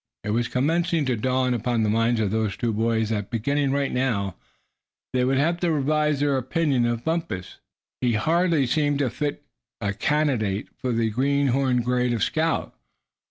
It was commencing to dawn upon the minds of those two boys that, beginning right now, they would have to revise their opinion of Bumpus. He hardly seemed a fit candidate for the greenhorn grade of scout.